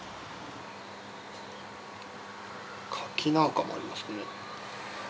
柿なんかもありますね。